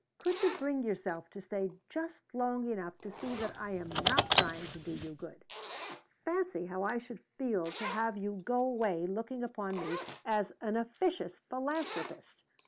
Could you bring yourself to stay just long enough to see that I am not trying to do you good? Fancy how I should feel to have you go away looking upon me as an officious philanthropist!